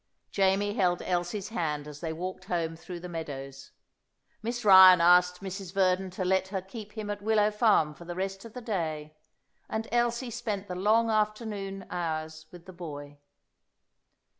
Jamie held Elsie's hand as they walked home through the meadows. Miss Ryan asked Mrs. Verdon to let her keep him at Willow Farm for the rest of the day, and Elsie spent the long afternoon hours with the boy.